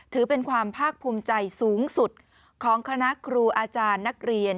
ถือเป็นความภาคภูมิใจสูงสุดของคณะครูอาจารย์นักเรียน